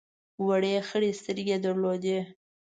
وړې خړې سترګې یې درلودې.